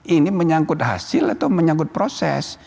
ini menyangkut hasil atau menyangkut proses